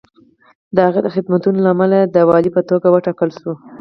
د هغه د خدمتونو له امله دی د والي په توګه وټاکل شو.